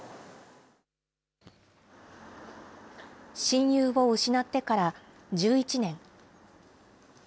親友を失ってから１１年。